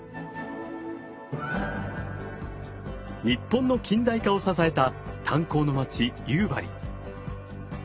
日本の近代化を支えた炭鉱の町夕張。